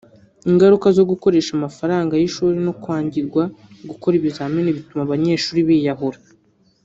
ingaruka zo gukoresha amafaranga y’ishuri no kwangirwa gukora ibizamini bituma abanyeshuri biyahura